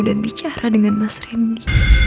dan bicara dengan mas remdy